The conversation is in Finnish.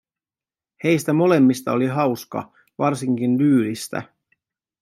Heistä molemmista oli hauska, varsinkin Lyylistä.